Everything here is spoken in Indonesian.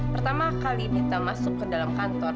pertama kali kita masuk ke dalam kantor